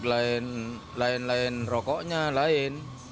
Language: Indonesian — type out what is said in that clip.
lain lain rokoknya lain